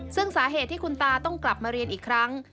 ซึ่งสาเหตุที่คุณตาต้องกลับมาเรียนอีกครั้ง